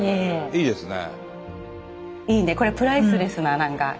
いいですね。